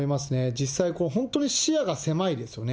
実際、本当に視野が狭いですよね。